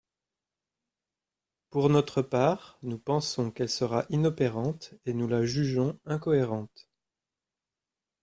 Pour notre part, nous pensons qu’elle sera inopérante, et nous la jugeons incohérente.